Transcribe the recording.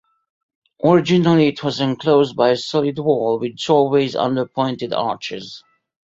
Originally it was enclosed by a solid wall, with doorways under pointed arches.